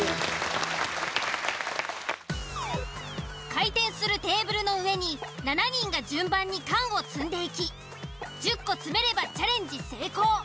回転するテーブルの上に７人が順番に缶を積んでいき１０個積めればチャレンジ成功。